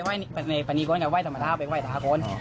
ว่ายในฝนีไขจร้อนซำมาเทิดไปว่ายสามาห์คน